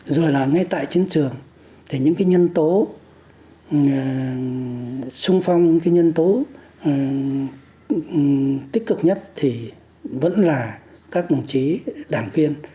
rồi là ngay tại chiến trường thì những cái nhân tố sung phong những cái nhân tố tích cực nhất thì vẫn là các đồng chí đảng viên